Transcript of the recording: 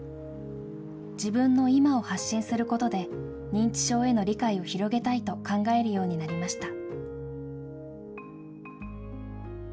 自分の今を発信することで、認知症への理解を広げたいと考えるようになりました。